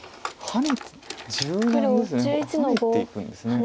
ハネていくんですね。